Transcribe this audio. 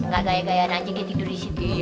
gak gaya gayaan aja dia tidur disitu